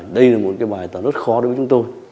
đây là một bài tỏa rất khó đối với chúng tôi